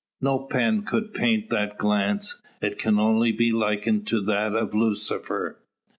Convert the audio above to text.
No pen could paint that glance. It can only be likened to that of Lucifer.